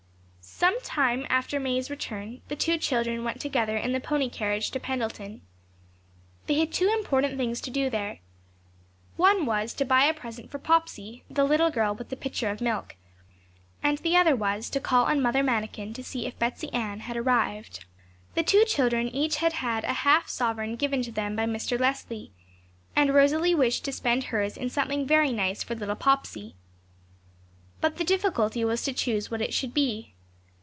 Some little time after May's return, the two children went together in the pony carriage to Pendleton. They had two important things to do there. One was, to buy a present for Popsey, the little girl with the pitcher of milk; and the other was, to call on Mother Manikin to see if Betsey Ann had arrived. The two children had each had a half sovereign given them by Mr. Leslie; and Rosalie wished to spend hers in something very nice for little Popsey. But the difficulty was to choose what it should be.